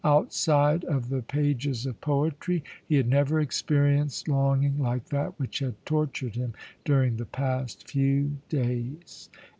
Outside of the pages of poetry he had never experienced longing like that which had tortured him during the past few days.